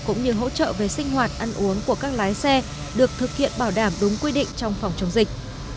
cũng như hỗ trợ về sinh hoạt ăn uống của các lái xe được thực hiện bảo đảm đúng quy định trong phòng chống dịch